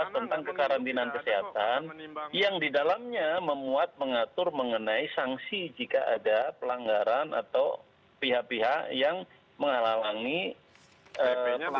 tentang kekarantinaan kesehatan yang didalamnya memuat mengatur mengenai sanksi jika ada pelanggaran atau pihak pihak yang menghalangi pelanggaran